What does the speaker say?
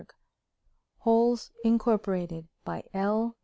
_ HOLES INCORPORATED By L.